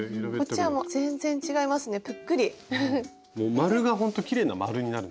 丸がほんときれいな丸になる。